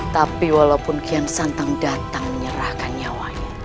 tapi walaupun kian santang datang menyerahkan nyawanya